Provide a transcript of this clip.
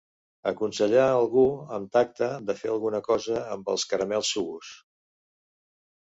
Aconsellà algú amb tacte de fer alguna cosa amb els caramels Sugus.